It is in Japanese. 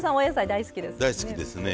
大好きですね。